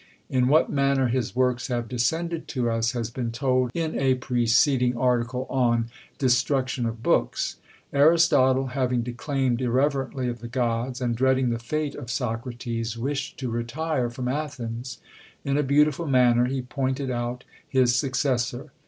In what manner his works have descended to us has been told in a preceding article, on Destruction of Books. Aristotle having declaimed irreverently of the gods, and dreading the fate of Socrates, wished to retire from Athens. In a beautiful manner he pointed out his successor.